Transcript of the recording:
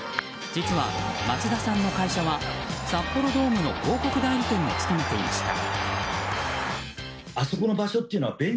実は、松田さんの会社は札幌ドームの広告代理店も務めていました。